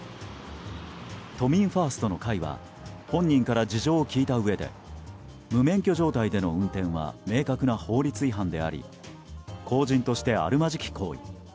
都民ファーストの会は本人から事情を聴いたうえで無免許状態での運転は明確な法律違反であり公人としてあるまじき行為。